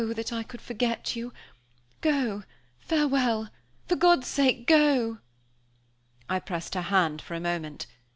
that I could forget you. Go farewell for God's sake, go!" I pressed her hand for a moment.